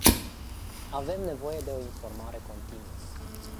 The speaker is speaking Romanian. Avem nevoie de o informare continuă.